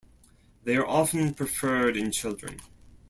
They are often preferred in children.